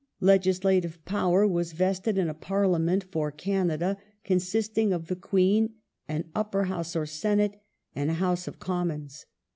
Legislative Power was vested in a Parliament for Canada, con sisting of the Queen, an Upper House or Senate, and a House of Commons.